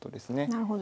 なるほど。